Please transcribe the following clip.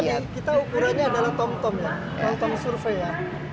iya kita ukurannya adalah tom tom ya tom survei ya